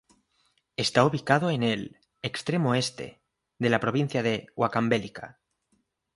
Está ubicado en el "extremo este" de la Provincia de Huancavelica.